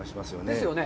ですよね。